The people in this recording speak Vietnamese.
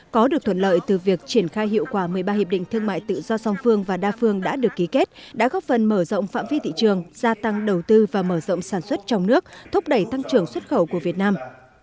có được thuận lợi từ việc triển khai hiệu quả một mươi ba hiệp định thương mại tự do song phương và đa phương đã được ký kết đã góp phần mở rộng phạm vi thị trường gia tăng đầu tư và mở rộng sản xuất trong nước thúc đẩy tăng trưởng xuất khẩu của việt nam